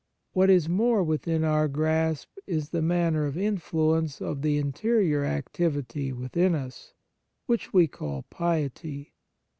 What is more within our grasp is the manner of influence of the interior activity within us, which we call piety.